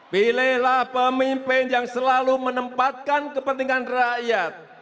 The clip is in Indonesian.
pilihlah pemimpin yang selalu menempatkan kepentingan rakyat